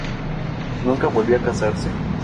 Nunca volvió a casarse.